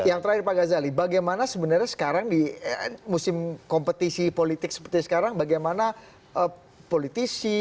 yang terakhir pak ghazali bagaimana sebenarnya sekarang di musim kompetisi politik seperti sekarang bagaimana politisi